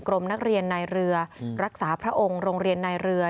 รมนักเรียนนายเรือรักษาพระองค์โรงเรียนนายเรือ